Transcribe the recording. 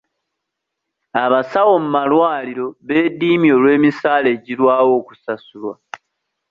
Abasawo mu malwaliro beediimye olw'emisaala egirwawo okusasulwa.